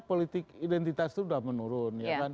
politik identitas itu sudah menurun